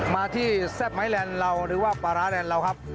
มาที่แซ่บไม้แลนด์เราหรือว่าปลาร้าแลนด์เราครับ